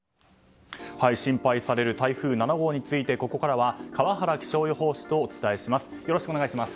心配される台風７号についてここからは川原気象予報士とお伝えします。